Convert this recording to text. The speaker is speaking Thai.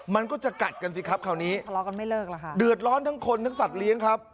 มันก็จะกัดกันสิครับคราวนี้เดือดร้อนทั้งคนทั้งสัตว์เลี้ยงครับ